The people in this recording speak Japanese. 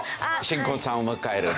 新婚さんを迎える。